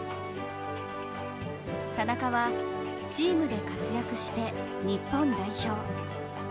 田中は「チームで活躍して日本代表」。